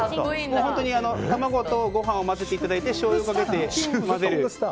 卵とご飯を混ぜていただいてしょうゆをかけて混ぜる